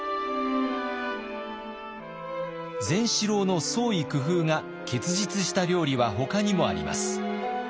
善四郎の創意工夫が結実した料理はほかにもあります。